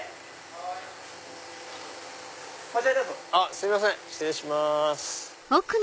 すいません失礼します。